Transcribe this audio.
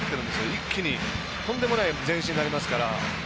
一気にとんでもない前進になりますから。